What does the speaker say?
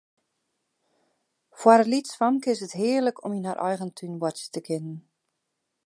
Foar it lytsfamke is it hearlik om yn har eigen tún boartsje te kinnen.